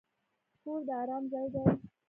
کور د ارام ځای دی.